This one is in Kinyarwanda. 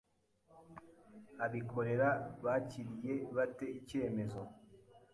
Abikorera bakiriye bate icyemezo